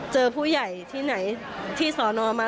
เจอผู้ใหญ่ที่ไหนที่สอนอมา